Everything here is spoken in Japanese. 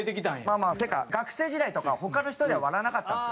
まあまあっていうか学生時代とか他の人では笑わなかったんですよ。